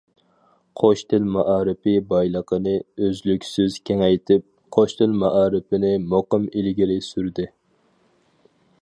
« قوش تىل» مائارىپى بايلىقىنى ئۆزلۈكسىز كېڭەيتىپ،« قوش تىل» مائارىپىنى مۇقىم ئىلگىرى سۈردى.